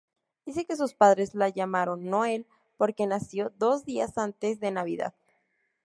Dice que sus padres la llamaron Noël porque nació dos días antes de navidad.